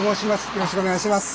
よろしくお願いします。